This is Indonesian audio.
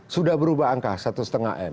sudah berubah angka satu lima m